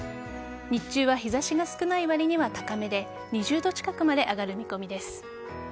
日中は日差しが少ないわりには高めで２０度近くまで上がる見込みです。